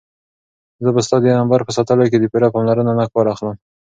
زه به ستا د نمبر په ساتلو کې د پوره پاملرنې نه کار اخلم.